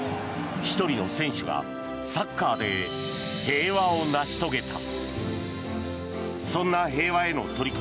１人の選手がサッカーで平和を成し遂げた。